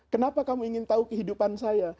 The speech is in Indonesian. kenapa kamu ingin tahu kehidupan saya